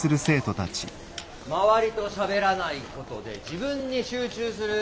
周りとしゃべらないことで自分に集中する。